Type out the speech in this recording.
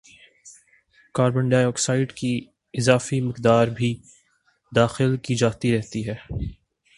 carbon dioxide کی اضافی مقدار بھی داخل کی جاتی رہتی ہے